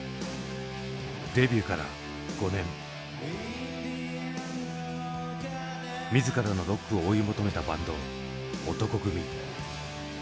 デビューから５年自らのロックを追い求めたバンド男闘呼組。